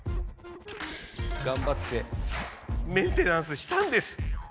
がんばってメンテナンスしたんです。